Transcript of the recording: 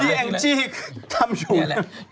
พี่แองจี้ทำชวน